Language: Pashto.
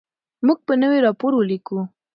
موږ به نوی راپور ولیکو.